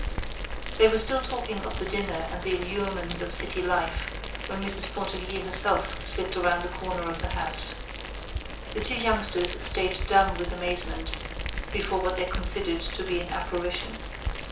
They were still talking of the dinner and the allurements of city life when Mrs. Pontellier herself slipped around the corner of the house. The two youngsters stayed dumb with amazement before what they considered to be an apparition.